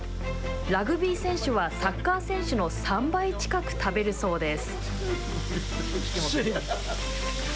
ラグビー選手はサッカー選手の３倍近く食べるそうです。